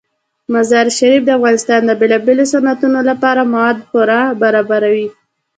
مزارشریف د افغانستان د بیلابیلو صنعتونو لپاره مواد پوره برابروي.